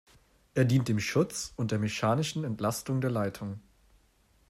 Er dient dem Schutz und der mechanischen Entlastung der Leitung.